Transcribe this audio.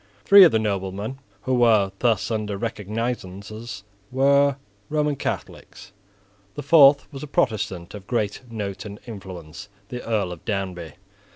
Three of the noblemen who were thus under recognisances were Roman Catholics. The fourth was a Protestant of great note and influence, the Earl of Danby.